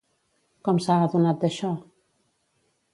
Com s'ha adonat d'això?